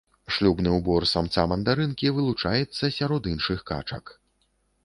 Шлюбны ўбор самца мандарынкі вылучаецца сярод іншых качак.